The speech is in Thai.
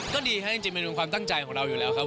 ก็ดีครับจริงมันเป็นความตั้งใจของเราอยู่แล้วครับ